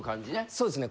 そうですね。